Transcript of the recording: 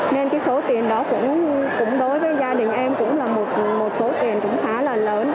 nên cái số tiền đó cũng đối với gia đình em cũng là một số tiền cũng khá là lớn